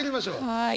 はい。